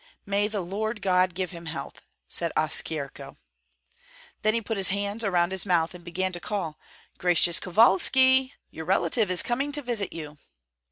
"May the Lord God give him health!" said Oskyerko. Then he put his hands around his mouth and began to call, "Gracious Kovalski! your relative is coming to visit you!"